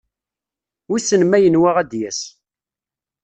Wissen ma yenwa ad d-yas.